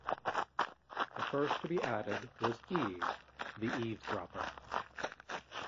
The first to be added was Eve, the eavesdropper.